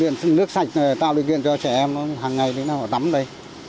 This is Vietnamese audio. nước sạch tạo luyện cho trẻ em hàng ngày để họ tắm đây